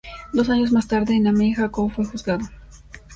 Dos años más tarde, en Amiens, Jacob fue juzgado.